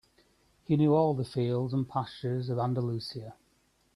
He knew all the fields and pastures of Andalusia.